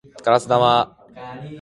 ガラス玉